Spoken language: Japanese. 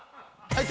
はい。